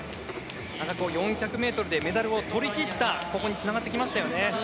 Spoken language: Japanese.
ただ、４００ｍでメダルを取り切ったことでここにつながってきましたよね。